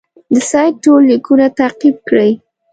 د سید ټول لیکونه تعقیب کړي.